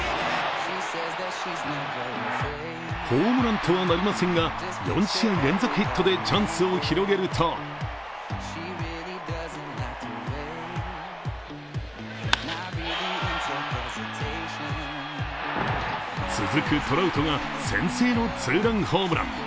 ホームランとはなりませんが４試合連続ヒットでチャンスを広げると続くトラウトが先制のツーランホームラン。